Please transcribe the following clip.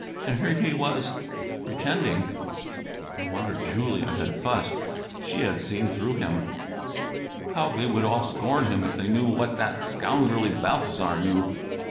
And here he was ... pretending. No wonder Julia had fussed! She had seen through him. How they would all scorn him if they knew what that scoundrelly Balthasar knew.